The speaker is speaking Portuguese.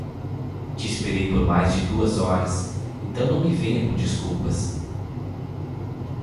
Te esperei por mais de duas horas, então não me venha com desculpas.